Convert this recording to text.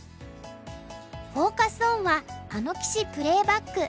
フォーカス・オンは「あの棋士プレーバック！